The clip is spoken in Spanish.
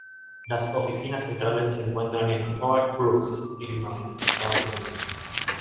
Las oficinas centrales se encuentran en Oak Brooks, Illinois, Estados Unidos.